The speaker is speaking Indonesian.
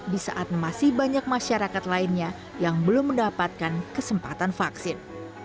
di saat masih banyak masyarakat lainnya yang belum mendapatkan kesempatan vaksin